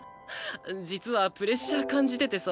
実はプレッシャー感じててさ。